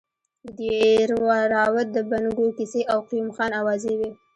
د دیراوت د بنګو کیسې او قیوم خان اوازې وې.